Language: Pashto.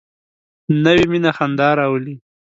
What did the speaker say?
نوې مینه خندا راولي